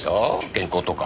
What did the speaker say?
原稿とか。